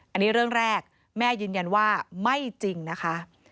อันนี้เรื่องแรกแม่ยืนยันว่าไม่จริงนะคะ